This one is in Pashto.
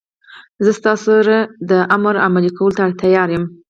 زه ستاسو د امر عملي کولو ته تیار یم.